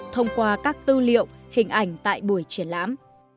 thông qua các tư liệu hình ảnh tại buổi triển lãm